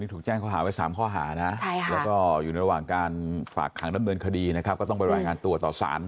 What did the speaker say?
ถูกแจ้งข้อหาไว้๓ข้อหานะแล้วก็อยู่ระหว่างการฝากขังดำเนินคดีนะครับก็ต้องไปรายงานตัวต่อสาร